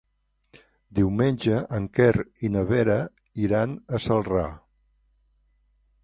Diumenge en Quer i na Vera iran a Celrà.